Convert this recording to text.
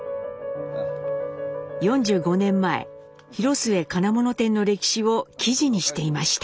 ４５年前広末金物店の歴史を記事にしていました。